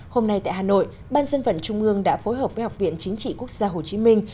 hôm nay tại hà nội ban dân vận trung ương đã phối hợp với học viện chính trị quốc gia hồ chí minh